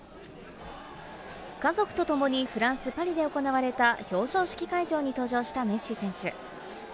家族と共にフランス・パリで行われた表彰式会場に登場したメッシ選手。